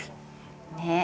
ねえ。